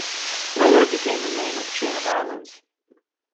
Later it became the name of the chain of islands.